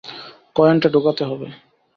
কয়েনটা ঢোকাতে হবে।